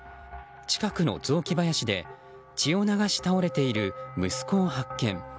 近くの雑木林で血を流し倒れている息子を発見。